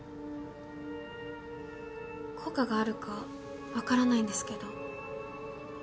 効果があるか分からないんですけど。